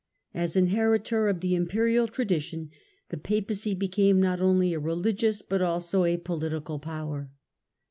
As inheritor of the Imperial tradition, the Papacy became not only a religious but also a political x>wer.